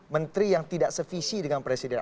menteri yang tidak sevisi dengan presiden